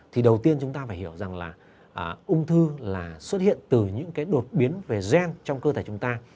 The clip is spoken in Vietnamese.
thì đầu tiên chúng ta phải hiểu rằng là ung thư là xuất hiện từ những cái đột biến về gen trong cơ thể chúng ta